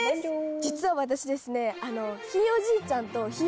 実は私ですね。